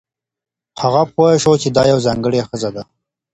هغه پوه شو چې دا یوه ځانګړې ښځه ده.